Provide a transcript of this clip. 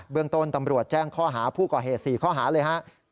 เรื่องต้นตำรวจแจ้งข้อหาผู้ก่อเหตุ๔ข้อหาเลยครับ